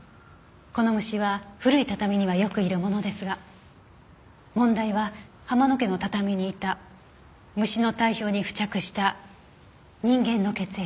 この虫は古い畳にはよくいるものですが問題は浜野家の畳にいた虫の体表に付着した人間の血液。